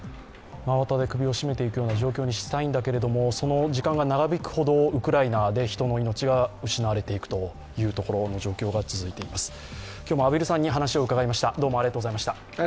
真綿で首を絞めていくような状況にしたいんだけれどもその時間が長引くほど、ウクライナで人の命が失われていくという状況が続いています。